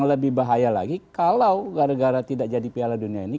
jadi bahaya lagi kalau gara gara tidak jadi piala dunia ini